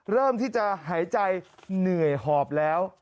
เริ่มที่จะหายใจเหนื่อยหอบแล้ว